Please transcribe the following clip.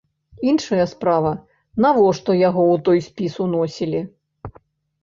Іншая справа, навошта яго ў той спіс уносілі?